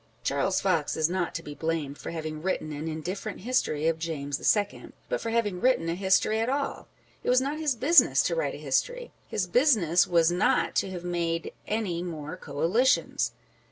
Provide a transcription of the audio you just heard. Charles Fox is not to be blamed for having written an indifferent history of James II., but for having written a history at all. It was not his business to write a history â€" his business was not to have made any more Coalitions